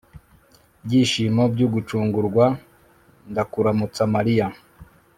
byishimo by'ugucungurwa ndakuramutsa mariya